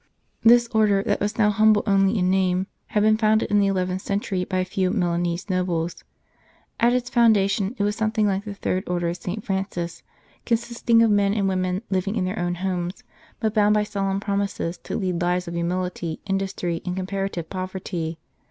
This Order, that was now humble only in name, had been founded in the eleventh century by a few Milanese nobles. At its foundation it was something like the Third Order of St. Francis, consisting of men and women living in their own homes, but bound by solemn promises to lead lives of humility, industry, and comparative poverty.